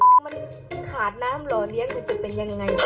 ข้าวมันจะตาย